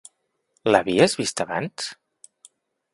L'havies vista abans?